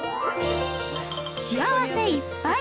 幸せいっぱい！